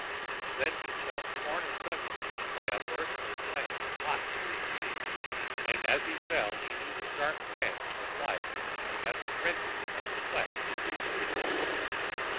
Then he felt torn asunder by a burst of flame hot through his being, and as he fell he knew the sharp pangs of life as it wrenches at the flesh to be free.